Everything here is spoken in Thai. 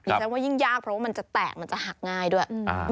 ฉันว่ายิ่งยากเพราะว่ามันจะแตกมันจะหักง่ายด้วย